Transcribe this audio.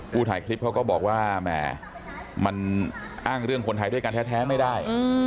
ถ่ายคลิปเขาก็บอกว่าแหมมันอ้างเรื่องคนไทยด้วยกันแท้ไม่ได้